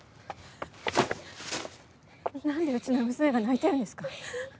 なんでうちの娘が泣いてるんですか？